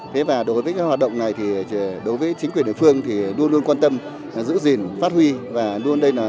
thế và đối với cái hoạt động này thì đối với chính quyền địa phương thì luôn luôn quan tâm giữ gìn phát huy và luôn đây là